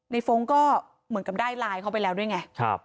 ฟ้องก็เหมือนกับได้ไลน์เขาไปแล้วด้วยไง